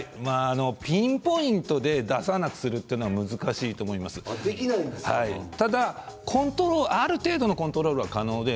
ピンポイントで出さないということは難しいんですけどある程度のコントロールは可能です。